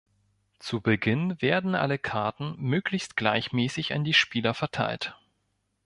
Zu Beginn werden alle Karten möglichst gleichmäßig an die Spieler verteilt.